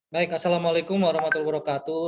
baik assalamu'alaikum warahmatullahi wabarakatuh